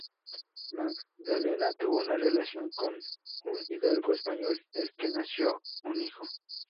Magdalena tuvo una relación con un hidalgo español del que nació un hijo.